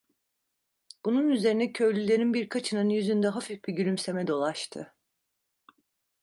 Bunun üzerine köylülerin birkaçının yüzünde hafif bir gülümseme dolaştı.